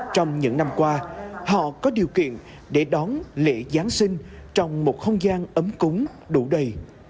trong những năm qua họ có điều kiện để đón lễ giáng sinh trong một không gian ấm cúng đủ đầy